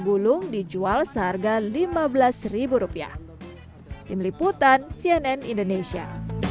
bulung dijual seharga lima belas rupiah tim liputan cnn indonesia